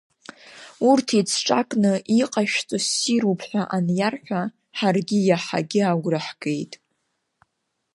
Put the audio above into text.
Урҭ еицҿакны иҟашәҵо ссируп ҳәа аниарҳәа, ҳаргьы иаҳагьы агәра ҳгеит.